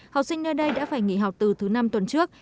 học sinh nơi đây đã phải nghỉ học từ thứ năm tuần trước